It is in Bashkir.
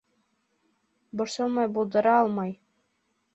... борсомай булдыра алмай